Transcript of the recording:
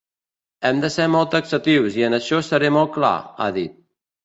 Hem de ser molt taxatius i en això seré molt clar, ha dit.